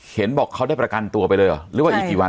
เห็นบอกเขาได้ประกันตัวไปเลยเหรอหรือว่าอีกกี่วัน